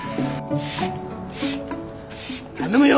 頼むよ